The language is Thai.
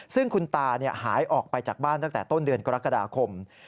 ซึ่งคุณตาหายออกไปจากบ้านตั้งแต่ต้นเดือนกรกฎาคม